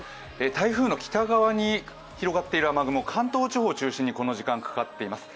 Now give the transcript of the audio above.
台風の北側に広がっている雨雲、関東地方を中心にこの時間かかっています。